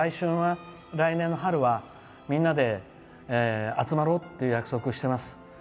来年の春はみんなで集まろうと約束しています。